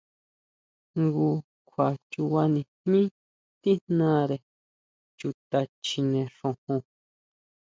Jngu kjua chubanijmí tíjnare chuta chjine xojon.